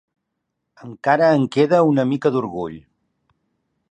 Encara em queda una mica d'orgull.